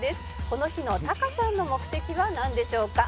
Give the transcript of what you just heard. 「この日のタカさんの目的はなんでしょうか？」